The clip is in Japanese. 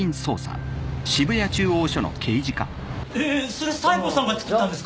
それ西郷さんが作ったんですか？